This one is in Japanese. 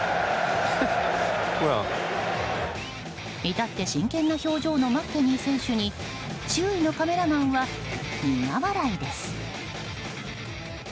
至って真剣な表情のマッケニー選手に周囲のカメラマンは苦笑いです。